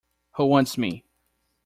Who wants me?